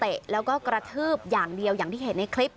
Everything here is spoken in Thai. แล้วก็กระทืบอย่างเดียวอย่างที่เห็นในคลิป